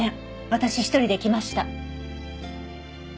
私一人で来ました。